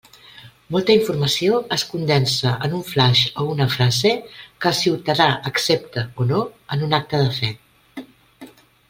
Molta informació es condensa en un flaix o una frase que el ciutadà accepta o no en un acte de fe.